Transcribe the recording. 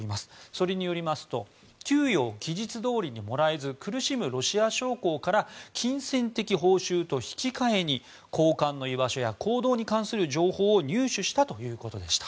それによりますと給与を期日どおりにもらえず苦しむロシア将校から金銭的報酬と引き換えに高官の居場所や行動に関する情報を入手したということでした。